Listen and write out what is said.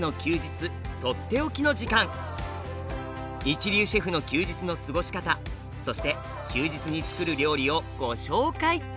一流シェフの休日の過ごし方そして休日につくる料理をご紹介。